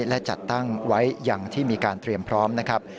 และจัดตั้งไว้อย่างที่มีการเตรียมพร้อมนะครับ